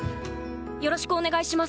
よろしくお願いします。